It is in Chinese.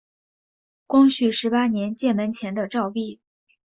光绪十八年建门前的照壁。